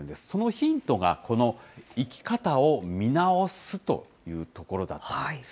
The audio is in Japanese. そのヒントがこの生き方を見直すというところだったんです。